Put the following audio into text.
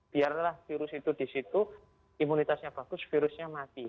biarlah virus itu di situ imunitasnya bagus virusnya mati